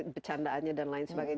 bercandaannya dan lain sebagainya